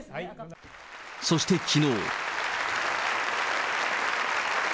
そしてきのう。